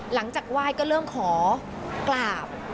หลังจากไหว้ก็เริ่มขอกราบ